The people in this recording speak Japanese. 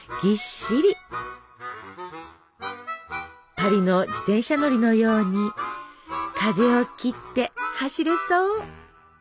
パリの自転車乗りのように風を切って走れそう！